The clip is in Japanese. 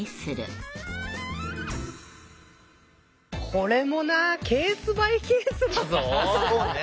これもなケース・バイ・ケースだぞ。